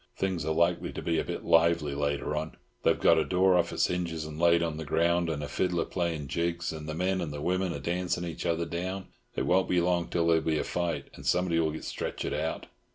Things are likely to be a bit lively later on. They have got a door off its hinges and laid on the ground, and a fiddler playing jigs, and the men and women are dancing each other down; it won't be long till there'll be a fight, and somebody will get stretched out."